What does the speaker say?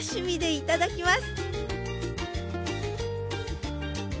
いただきます。